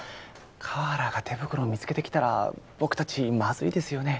河原が手袋を見つけてきたら僕達まずいですよね